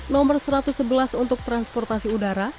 nomor satu ratus sebelas untuk transportasi udara